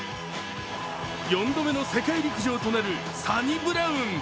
４度目の世界陸上となるサニブラウン。